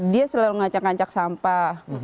dia selalu ngacak ngacak sampah